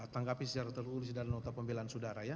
tanggapi secara tertulis di noto pembelahan saudara ya